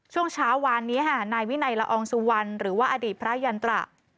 ช่วงเช้าวานนี้ค่ะนายวินัยละอองสุวรรณหรือว่าอดีตพระยันตระ